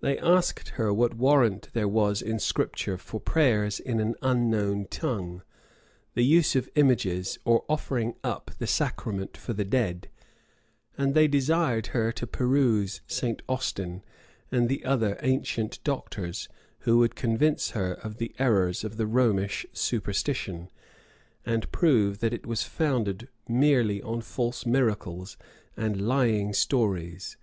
They asked her what warrant there was in Scripture for prayers in an unknown tongue, the use of images, or offering up the sacrament for the dead; and they desired her to peruse St. Austin, and the other ancient doctors, who would convince her of the errors of the Romish superstition, and prove that it was founded merely on false miracles and lying stories.